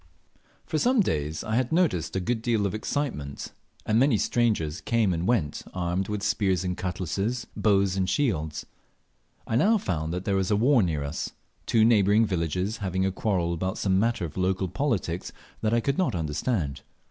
Far some days I had noticed a good deal of excitement, and many strangers came and went armed with spears and cutlasses, bows and shields. I now found there was war near us two neighbouring villages having a quarrel about some matter of local politics that I could not understand.